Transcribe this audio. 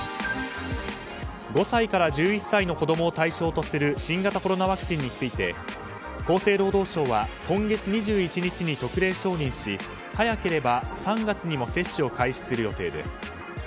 ５歳から１１歳の子供を対象とする新型コロナワクチンについて厚生労働省は今月２１日に特例承認し早ければ３月にも接種を開始する予定です。